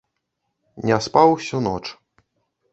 Не спаў усю ноч.